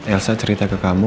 elsa cerita ke kamu